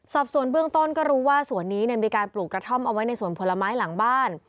สอบส่วนเบื้องต้นก็รู้ว่าสวนนี้มีการปลูกกระท่อมเอาไว้ในสวนผลไม้หลังบ้าน